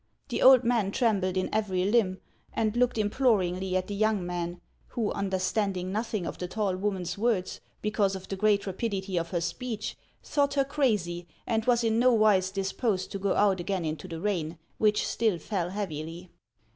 The old man trembled in every limb, and looked imploringly at the young man, who, understanding noth HANS OF ICELAND. 137 ing of the tall woman's words because of the great ra pidity of her speech, thought her crazy, and was in no wise disposed to go out again into the rain, which still fell heavily.